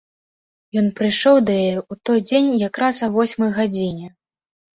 Ён прыйшоў да яе ў той дзень якраз а восьмай гадзіне.